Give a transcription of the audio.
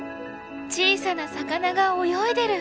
小さな魚が泳いでる！